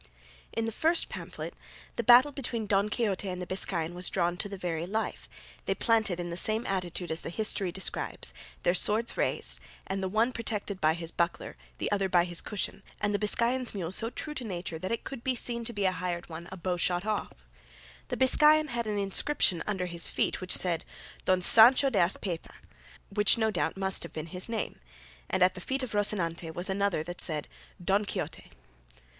In the first pamphlet the battle between Don Quixote and the Biscayan was drawn to the very life, they planted in the same attitude as the history describes, their swords raised, and the one protected by his buckler, the other by his cushion, and the Biscayan's mule so true to nature that it could be seen to be a hired one a bowshot off. The Biscayan had an inscription under his feet which said, "Don Sancho de Azpeitia," which no doubt must have been his name; and at the feet of Rocinante was another that said, "Don Quixote."